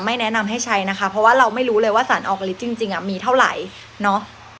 แนะนำให้ใช้นะคะเพราะว่าเราไม่รู้เลยว่าสารออกลิตรจริงมีเท่าไหร่เนอะ